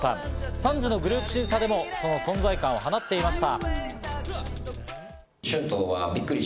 ３次のグループ審査でもその存在感を放っていました。